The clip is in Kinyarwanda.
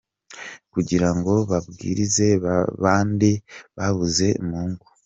Kugira ngo babwirize babandi babuze mu ngo.